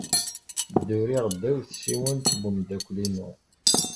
Dduriɣ ddaw tsiwant n umeddakel-inu.